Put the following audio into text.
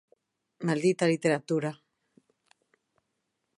Maldita literatura.